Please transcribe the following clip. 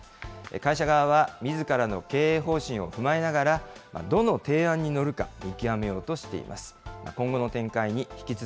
会社側はみずからの経営方針を踏まえながら、どの提案に乗るか、見極めようとしています。